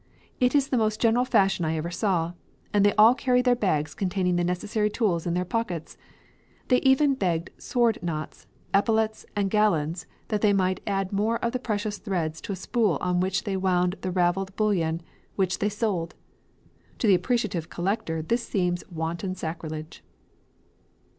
It is the most general fashion I ever saw, and they all carry their bags containing the necessary tools in their pockets. They even begged sword knots, epaulettes, and galons that they might add more of the precious threads to the spool on which they wound the ravelled bullion, which they sold." To the appreciative collector this seems wanton sacrilege.